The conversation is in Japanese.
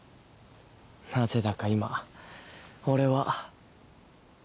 なぜだか今俺は。